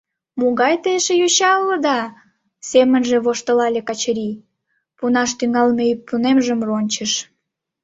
«Могай те эше йоча улыда», — семынже воштылале Качырий, пунаш тӱҥалме ӱппунемжым рончыш.